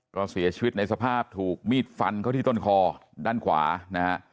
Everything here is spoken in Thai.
ก็เสียชีวิตในสภาพถูกมีดฟันเข้าที่ต้นคอด้านขวานะฮะ